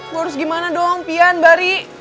gue harus gimana dong pian bari